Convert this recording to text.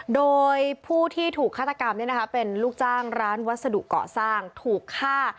โดยผู้ที่ถูกฆาตกรรมเป็นลูกจ้างร้านวัสดุเกาะสร้างถูกฆ่า